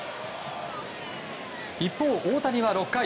一方、大谷は６回。